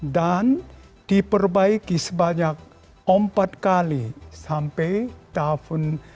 dan diperbaiki sebanyak empat kali sampai tahun seribu sembilan ratus delapan puluh tiga